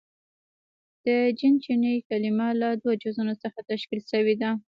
• د جن چیني کلمه له دوو جزونو څخه تشکیل شوې ده.